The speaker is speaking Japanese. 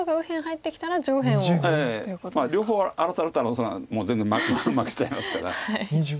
両方荒らされたらそれはもう全然負けちゃいますから。